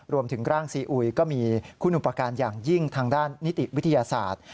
รวมถึงร่างซีอุยก็มีคุณอุปการณ์อย่างยิ่งทางด้านนิติวิทยาศาสตร์